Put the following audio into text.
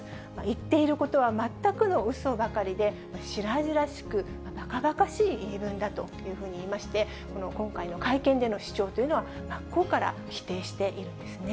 言っていることは全くのうそばかりで、白々しく、ばかばかしい言い分だというふうに言いまして、今回の会見での主張というのは、真っ向から否定しているんですね。